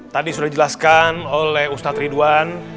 tadi sudah dijelaskan oleh ustadz ridwan